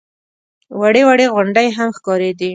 وړې وړې غونډۍ هم ښکارېدې.